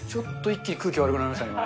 ちょっと一気に空気悪くなりましたね。